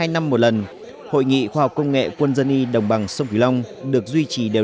hai năm một lần hội nghị khoa học công nghệ quân dân y đồng bằng sông kỳ long được duy trì đều